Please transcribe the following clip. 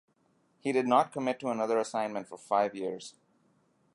He did not commit to another assignment for five years.